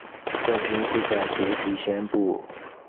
冠军会在结局宣布。